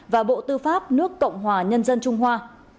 và bộ tư pháp nước cộng hòa nhân dân trung hoa